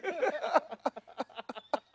ハハハハハ！